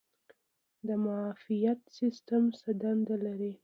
د معافیت سیستم څه دنده لري؟